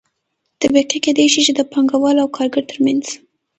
طبقې کيدى شي چې د پانګه وال او کارګر ترمنځ